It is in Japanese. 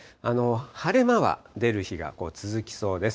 晴れ間は出る日が続きそうです。